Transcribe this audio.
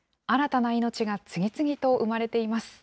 新たな命が次々と産まれています。